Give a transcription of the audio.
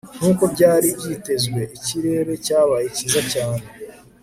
nkuko byari byitezwe, ikirere cyabaye cyiza cyane